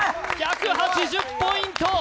１８０ポイント。